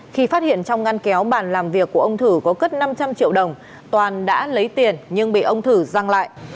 khi phát hiện trong ngăn kéo bàn làm việc của ông thử có cất năm trăm linh triệu đồng toàn đã lấy tiền nhưng bị ông thử răng lại